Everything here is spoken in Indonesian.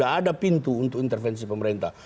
dan di situ tidak ada pintu untuk intervensi pemerintah